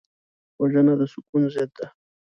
وژنه د سکون ضد ده